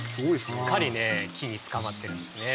しっかり木につかまってるんですね。